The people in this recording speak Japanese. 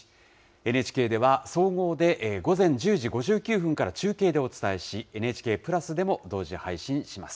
ＮＨＫでは、総合で、午前１０時５９分から中継でお伝えし、ＮＨＫプラスでも同時配信します。